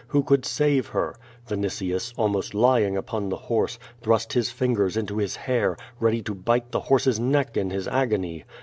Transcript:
Who could save her? Vinitius, al« most lying upon the horse, thrust his fingers into his hair, ready to bite the horse's neck in his agony.